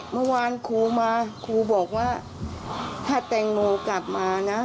เมื่อวานครูมาครูบอกว่าถ้าแตงโมกลับมานะ